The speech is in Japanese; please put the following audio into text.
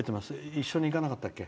一緒に行かなかったっけ。